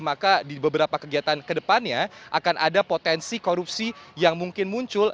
maka di beberapa kegiatan kedepannya akan ada potensi korupsi yang mungkin muncul